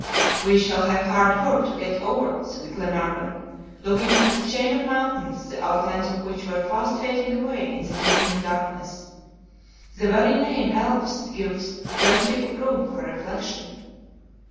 "We shall have hard work to get over," said Glenarvan, looking at the chain of mountains, the outlines of which were fast fading away in the deepening darkness. "The very name Alps gives plenty of room for reflection."